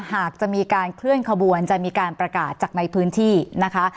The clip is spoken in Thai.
หากจะมีการเคลื่อนขบวนจะมีการประกาศจากในพื้นที่นะคะ